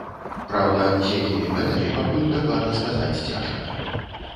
Праўда, з якімі мэтамі, пакуль дакладна сказаць цяжка.